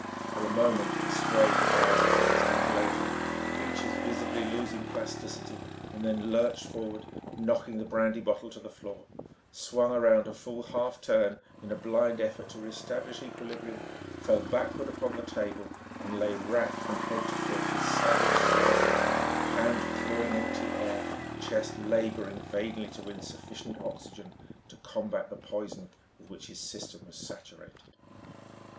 For a moment he swayed with eyes fixed and glazing, features visibly losing plasticity, then lurched forward, knocking the brandy bottle to the floor, swung around a full half turn in blind effort to re establish equilibrium, fell backward upon the table, and lay racked from head to foot with savage spasms, hands clawing empty air, chest labouring vainly to win sufficient oxygen to combat the poison with which his system was saturated.